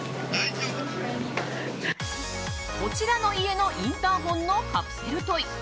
こちらの家のインターホンのカプセルトイ